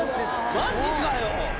マジかよ！